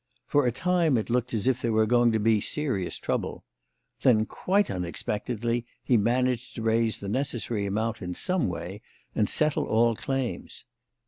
For a time it looked as if there was going to be serious trouble; then, quite unexpectedly, he managed to raise the necessary amount in some way and settle all claims.